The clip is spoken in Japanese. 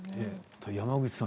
山口さん